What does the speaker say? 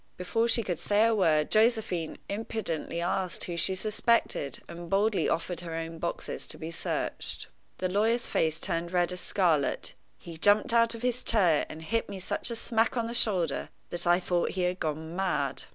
"Before she could say a word, Josephine impudently asked who she suspected, and boldly offered her own boxes to be searched." The lawyer's face turned red as scarlet. He jumped out of his chair, and hit me such a smack on the shoulder that I thought he had gone mad.